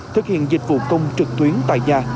thực hiện dịch vụ công trực tuyến tại nhà